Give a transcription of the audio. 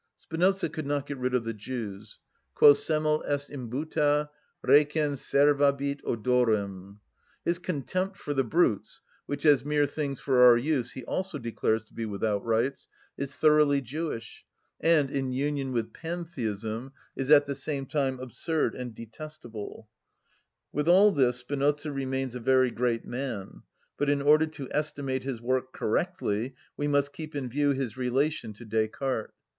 Spinoza could not get rid of the Jews; quo semel est imbuta recens servabit odorem. His contempt for the brutes, which, as mere things for our use, he also declares to be without rights, is thoroughly Jewish, and, in union with Pantheism, is at the same time absurd and detestable (Eth., iv., appendix, c. 27). With all this Spinoza remains a very great man. But in order to estimate his work correctly we must keep in view his relation to Descartes.